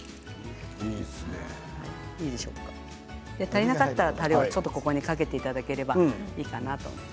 足りなかったらちょっとたれをかけていただければいいかなと思います。